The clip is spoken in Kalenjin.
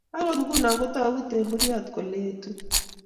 Akot nguno kotoku temburyot kole etu